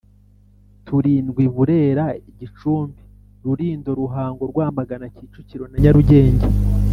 turindwi burera gicumbi rulindo ruhango rwamagana kicukiro na nyarugenge